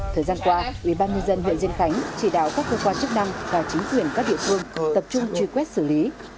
thời gian qua ubnd huyện diên khánh chỉ đạo các cơ quan chức năng và chính quyền các địa phương tập trung truy quét xử lý